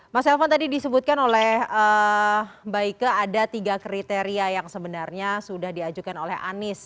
mas elvan tadi disebutkan oleh mbak ike ada tiga kriteria yang sebenarnya sudah diajukan oleh anies